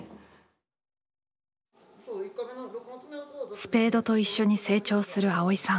スペードと一緒に成長する蒼依さん。